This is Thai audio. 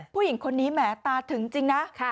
ผู้หญิงคนนี้แหมตาถึงจริงนะ